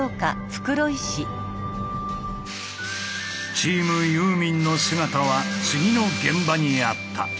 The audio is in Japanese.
チームユーミンの姿は次の現場にあった。